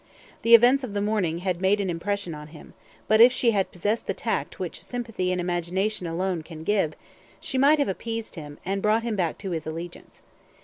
The events of the morning had made an impression on him; but if she had possessed the tact which sympathy and imagination alone can give, she might have appeased him, and brought him back to his allegiance.